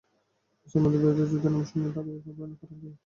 মুসলমানদের বিরুদ্ধে যুদ্ধের নাম শুনে তার এই ঘাবড়ানোর কারণ কি?